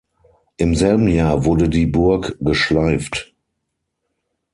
Im selben Jahr wurde die Burg geschleift.